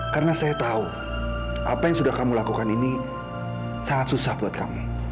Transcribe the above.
karena saya tahu apa yang sudah kamu lakukan ini sangat susah buat kamu